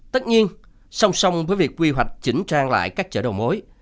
tất nhiên song song với việc quy hoạch chỉnh trang lại các chợ đầu mối